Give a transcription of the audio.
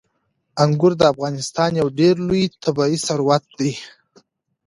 انګور د افغانستان یو ډېر لوی طبعي ثروت دی.